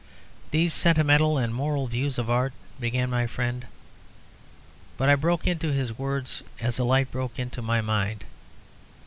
"These sentimental and moral views of art," began my friend, but I broke into his words as a light broke into my mind.